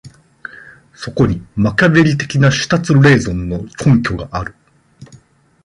そこにマキァヴェリ的なシュターツ・レーゾンの根拠がある。